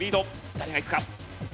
誰がいくか？